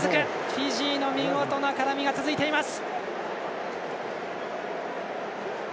フィジーの見事な絡みが続いています。